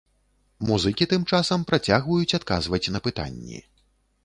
Музыкі тым часам працягваюць адказваць на пытанні.